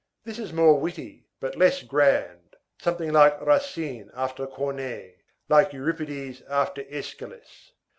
This is more witty, but less grand, something like Racine after Corneille, like Euripides after Æschylus.